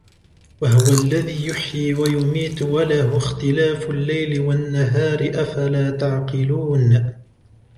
وهو الذي يحيي ويميت وله اختلاف الليل والنهار أفلا تعقلون